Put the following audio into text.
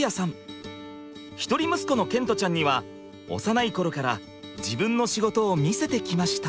一人息子の賢澄ちゃんには幼い頃から自分の仕事を見せてきました。